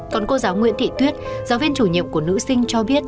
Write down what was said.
còn cô giáo nguyễn thị tuyết giáo viên chủ nhiệm của nữ sinh cho biết